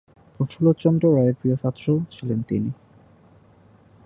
প্রফুল্লচন্দ্র রায়ের প্রিয় ছাত্র ছিলেন তিনি।